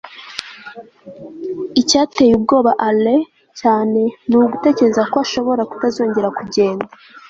icyateye ubwoba alain cyane ni ugutekereza ko ashobora kutazongera kugenda